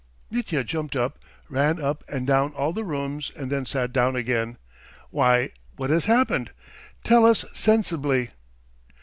Mitya jumped up, ran up and down all the rooms, and then sat down again. "Why, what has happened? Tell us sensibly!"